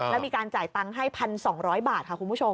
แล้วมีการจ่ายตังค์ให้๑๒๐๐บาทค่ะคุณผู้ชม